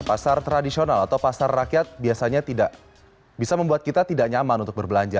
pasar tradisional atau pasar rakyat biasanya tidak bisa membuat kita tidak nyaman untuk berbelanja